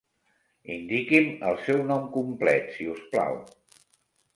Indiqui'm el seu nom complet si us plau.